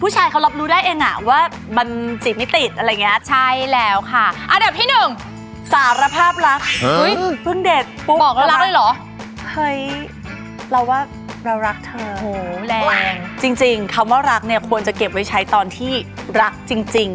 จริงคำว่ารักเนี่ยควรจะเก็บไว้ใช้ตอนที่รักจริง